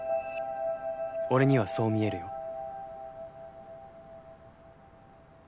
俺にはそう見えるよ。